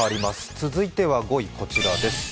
続いては５位、こちらです。